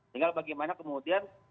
tinggal bagaimana kemudian